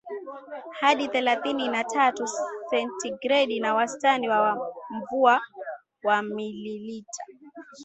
hadi thelathini na tatu sentigredi na wastani wa mvua wa mililita